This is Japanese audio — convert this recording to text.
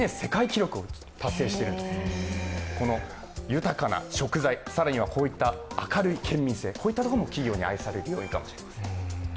豊かな食材、更にはこういった明るい県民性、こういったところも企業に愛される要因かもしれません。